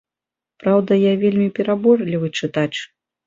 Праўда, я вельмі пераборлівы чытач.